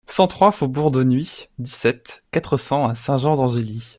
cent trois faubourg d'Aunis, dix-sept, quatre cents à Saint-Jean-d'Angély